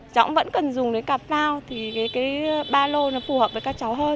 cháu cũng vẫn cần dùng cái cặp phao thì cái ba lô nó phù hợp với các cháu hơn